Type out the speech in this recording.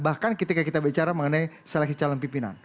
bahkan ketika kita bicara mengenai seleksi calon pimpinan